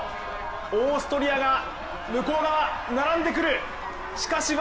オーストリアが向こう側並んでく。